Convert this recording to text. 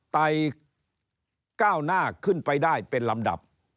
ไต่ก้าวหน้าขึ้นไปได้เป็นลำดับ